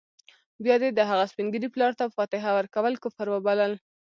بيا دې د هغه سپین ږیري پلار ته فاتحه ورکول کفر وبلل.